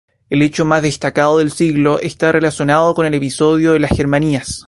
El hecho más destacado del siglo está relacionado con el episodio de las Germanías.